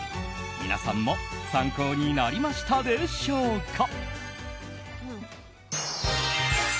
皆さんも参考になりましたでしょうか。